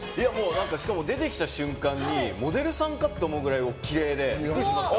しかも出てきた瞬間にモデルさんかって思うくらいおきれいでびっくりしました。